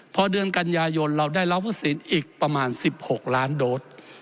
พอเดือนกันยายนเราได้รับวัคซีนอีกประมาณ๑๖ล้านโดส